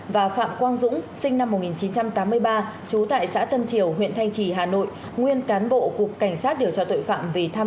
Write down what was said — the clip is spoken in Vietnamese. và phạm quang dũng sinh năm một nghìn chín trăm tám mươi ba trú tại xã tân triều huyện thanh trì hà nội